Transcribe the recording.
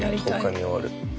１０日に終わる。